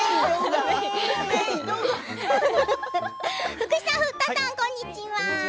福士さん、堀田さんこんにちは。